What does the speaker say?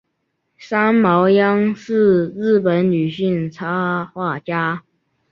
三毛央是日本女性插画家。